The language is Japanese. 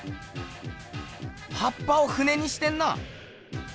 はっぱを船にしてんなぁ。